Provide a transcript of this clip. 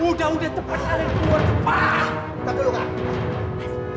udah udah cepet kalian keluar cepat